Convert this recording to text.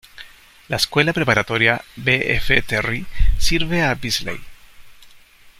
La Escuela Preparatoria B. F. Terry sirve a Beasley.